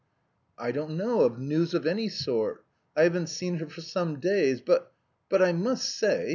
"I don't know... of news of any sort... I haven't seen her for some days, but... but I must say..."